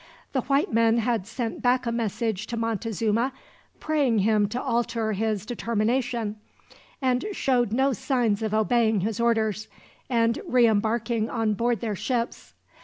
The white men had sent back a message to Montezuma praying him to alter his determination, and showed no signs of obeying his orders, and re embarking on board their ships.